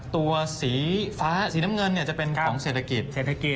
ตัวสีฟ้าสีน้ำเงินจะเป็นของเศรษฐกิจเศรษฐกิจ